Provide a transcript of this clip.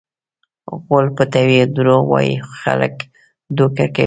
غول پټوي؛ دروغ وایي؛ خلک دوکه کوي.